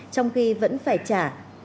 trong khi vẫn phải trả